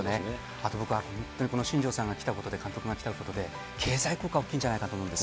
あと僕は本当にこの新庄さんが来たことで、監督が来たことで、経済効果大きいんじゃないかと思います。